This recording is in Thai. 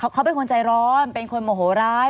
เขาเป็นคนใจร้อนเป็นคนโมโหร้าย